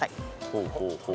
ほうほうほう。